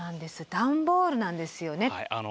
段ボールなんですよね。